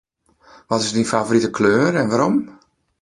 Wat is dyn favorite kleur en wêrom?